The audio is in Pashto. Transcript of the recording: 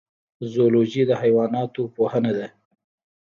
زولوژی د حیواناتو پوهنه ده